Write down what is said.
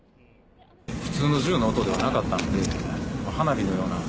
普通の銃の音ではなかったんで、花火のような。